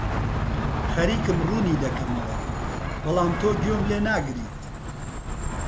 خەریکم ڕوونی دەکەمەوە، بەڵام تۆ گوێم لێ ناگریت.